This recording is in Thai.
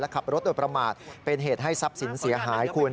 ขับรถโดยประมาทเป็นเหตุให้ทรัพย์สินเสียหายคุณ